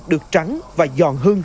được trắng và giòn hơn